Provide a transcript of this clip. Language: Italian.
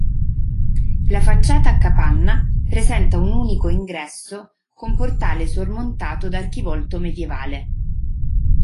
La facciata a capanna presenta un unico ingresso con portale sormontato da archivolto medievale.